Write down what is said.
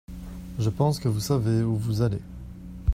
Je pense que vous savez où vous allez.